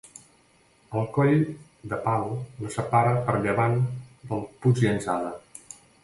El coll de Pal la separa per llevant del Puigllançada.